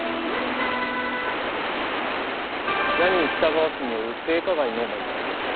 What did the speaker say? ジャニー喜多川氏による性加害の問題です。